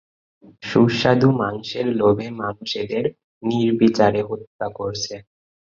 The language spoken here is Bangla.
সুস্বাদু মাংসের লোভে মানুষ এদের নির্বিচারে হত্যা করছে।